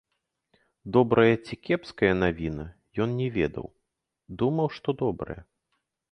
Добрая ці кепская навіна, ён не ведаў, думаў, што добрая.